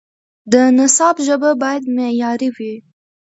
د نصاب ژبه باید معیاري وي.